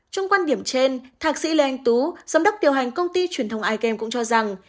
trong quan điểm trên thạc sĩ lê anh tú giám đốc điều hành công ty truyền thông im cũng cho rằng